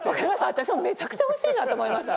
私もめちゃくちゃおいしいなと思いました。